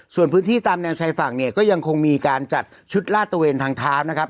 ส่วนพื้นที่ตามแนวชายฝั่งเนี่ยก็ยังคงมีการจัดชุดลาดตระเวนทางเท้านะครับ